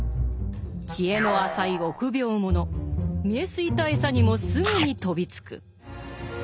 知恵の浅い臆病者見え透いた餌にもすぐに飛びつく。